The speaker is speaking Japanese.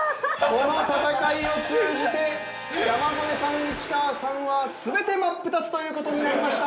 この戦いを通じて山添さん市川さんは全て真っ二つという事になりました！